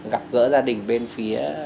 gặp gỡ gia đình bên phía